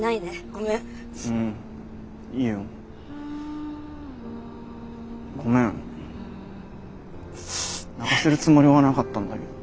ごめん泣かせるつもりはなかったんだけど。